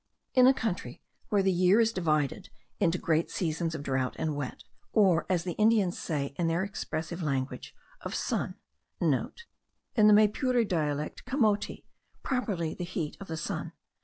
In a country where the year is divided into great seasons of drought and wet, or, as the Indians say in their expressive language, of sun* (* In the Maypure dialect camoti, properly the heat [of the sun].